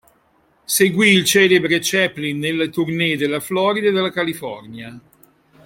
Seguì il celebre Chaplin nelle tournée della Florida e della California.